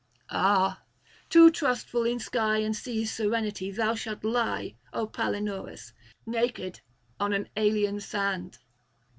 'Ah too trustful in sky's and sea's serenity, thou shalt lie, O Palinurus, naked on an alien sand!'